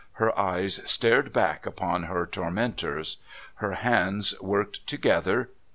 Her eyes stared back upon her tormentors. Her hands worked together.